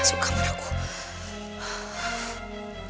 ini tuh bener bener ganggu banget